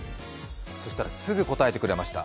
そしたら、すぐ答えてくれました。